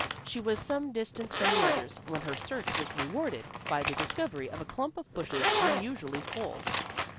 She was some distance from the others when her search was rewarded by the discovery of a clump of bushes unusually full.